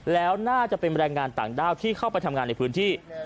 แล้วน่าจะเป็นแรงงานต่างด้าวที่เข้าไปทำงานในพื้นที่